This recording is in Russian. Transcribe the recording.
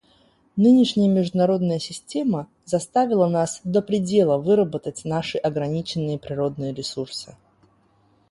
Нынешняя международная система заставила нас до предела выработать наши ограниченные природные ресурсы.